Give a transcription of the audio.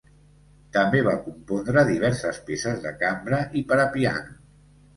També va compondre diverses peces de cambra i per a piano.